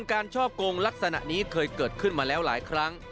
ช่อกงลักษณะนี้เคยเกิดขึ้นมาแล้วหลายครั้ง